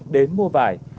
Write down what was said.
đến mua vải